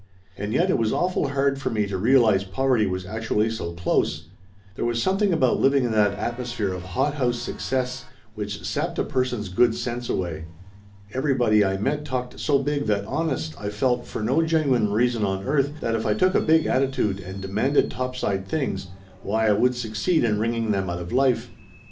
And yet it was awful hard for me to rea lize poverty was actually so close. There was some thing about living in that atmosphere of hothouse suc cess which sapped a person's good sense away. Every body I met talked so big that honest, I felt, for no genuine reason on earth, that if I took a big attitude and demanded topside things, why I would succeed in wringing them out of life.